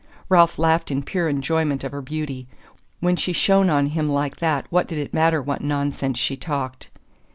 Ralph laughed in pure enjoyment of her beauty. When she shone on him like that what did it matter what nonsense she talked?